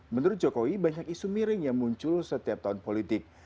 menurut jokowi banyak isu miring yang muncul setiap tahun politik